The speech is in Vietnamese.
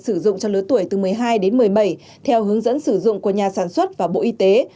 sử dụng cho lứa tuổi từ một mươi hai đến một mươi bảy theo hướng dẫn sử dụng của nhà sản xuất và bộ y tế